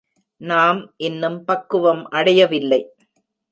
நாம் இன்னும் பக்குவம் அடையவில்லை.